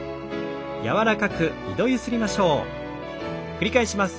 繰り返します。